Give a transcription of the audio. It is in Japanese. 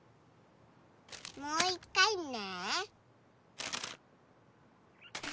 もういっかいね。